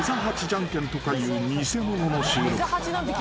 じゃんけんとかいう偽物の収録］